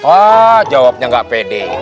oh jawabnya nggak pede